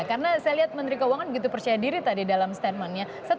karena saya lihat menteri keuangan begitu percaya diri tadi dalam statementnya